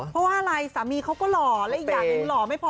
เพราะว่าอะไรสามีเขาก็หล่อและอีกอย่างหนึ่งหล่อไม่พอ